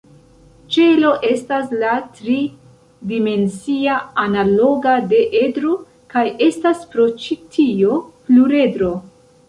Ĉelo estas la tri-dimensia analoga de edro, kaj estas pro ĉi tio pluredro.